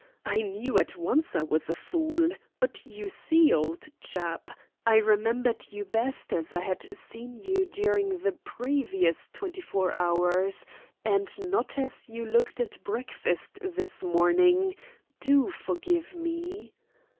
"I knew at once I was a fool, but you see, old chap, I remembered you best as I had seen you during the previous twenty four hours, and not as you looked at breakfast this morning. Do forgive me."